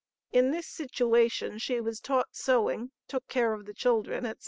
In this situation she was taught sewing, took care of the children, &c.